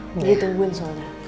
jadi tungguin soalnya